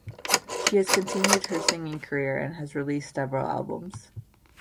She has continued her singing career and has released several albums.